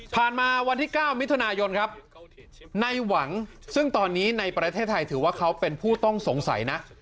มาวันที่๙มิถุนายนครับในหวังซึ่งตอนนี้ในประเทศไทยถือว่าเขาเป็นผู้ต้องสงสัยนะ